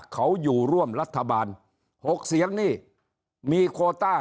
เขาอยู่ร่วมรัฐบาล๖เสียงนี่มีโคต้า